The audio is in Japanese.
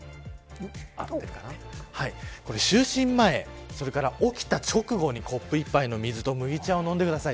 就寝前それから起きた直後にコップ１杯の水と麦茶を飲んでください。